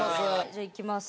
じゃあいきます。